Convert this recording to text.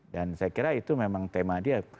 dan saya kira itu memang tema dia